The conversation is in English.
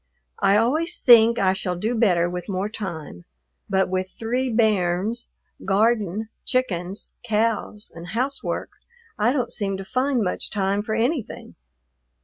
I always think I shall do better with more time, but with three "bairns," garden, chickens, cows, and housework I don't seem to find much time for anything.